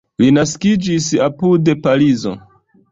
Li naskiĝis apud Parizo.